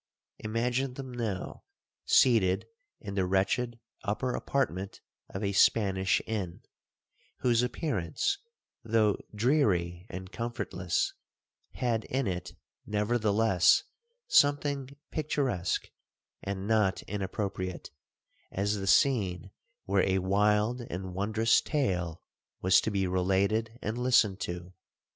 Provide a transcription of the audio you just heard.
'Imagine them now seated in the wretched upper apartment of a Spanish inn, whose appearance, though dreary and comfortless, had in it, nevertheless, something picturesque, and not inappropriate, as the scene where a wild and wondrous tale was to be related and listened to.